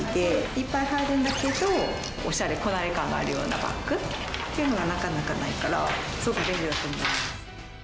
いっぱい入るんだけどオシャレこなれ感があるようなバッグっていうのはなかなかないからすごく便利だと思います。